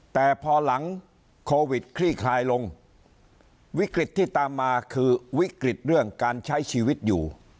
แต่พอหลังโควิดคลี่คลายลงวิกฤตที่ตามมาคือวิกฤตเรื่องการใช้ชีวิตอยู่